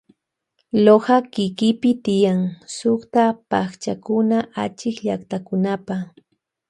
Loja kikipi tiyan sukta pakchakuna achikllaktakunapa.